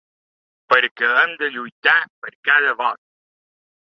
Perquè hem de lluitar per cada vot.